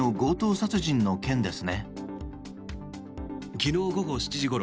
昨日午後７時ごろ